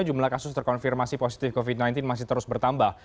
jumlah kasus terkonfirmasi positif covid sembilan belas masih terus bertambah